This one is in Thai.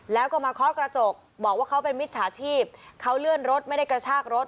แล้วก็มาเคาะกระจกบอกว่าเขาเป็นมิจฉาชีพเขาเลื่อนรถไม่ได้กระชากรถ